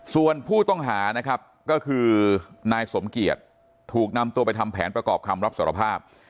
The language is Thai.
ส่วนผู้ต้องหานะครับก็คือนายสมเกียจถูกนำตัวไปทำแผนประกอบคำรับสารภาพ